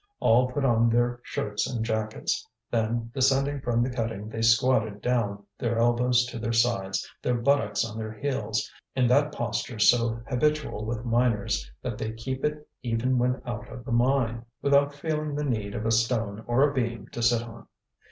All put on their shirts and jackets. Then, descending from the cutting they squatted down, their elbows to their sides, their buttocks on their heels, in that posture so habitual with miners that they keep it even when out of the mine, without feeling the need of a stone or a beam to sit on.